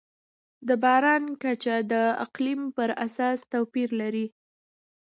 د باران کچه د اقلیم پر اساس توپیر لري.